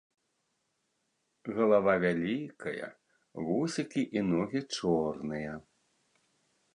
Галава вялікая, вусікі і ногі чорныя.